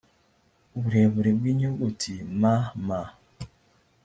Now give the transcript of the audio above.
uburebure bw inyuguti mm